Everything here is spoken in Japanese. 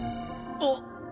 あっ！？